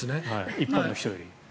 一般の人より。